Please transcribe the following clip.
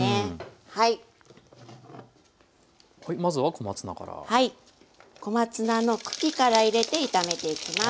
小松菜の茎から入れて炒めていきます。